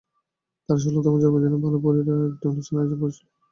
তার ষোলতম জন্মদিনে, ভালো পরীরা একটা অনুষ্ঠানের আয়োজন করেছিল।